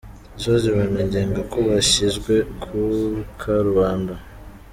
Gisozi Benengango bashyizwe ku karubanda